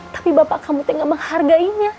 tapi bapak kamu tinggal menghargainya